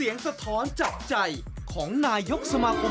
อันนั้นเห็นว่าไว้ล่ะครับ